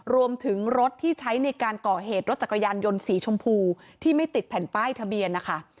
รวมถึงรถที่ใช้ในการก่อเหตุรถจักรยานยนต์สีชมพูที่ไม่ติดแผ่นป้ายทะเบียนนะคะ